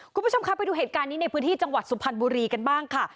คุณผู้ชมครับไปดูเหตุการณ์นี้ในพื้นที่จังหวัดสุพรรณบุรีกันบ้างค่ะ